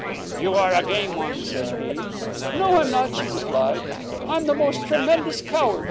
"You are a game one," said he. "No, I'm not," she replied. "I'm the most tremendous coward.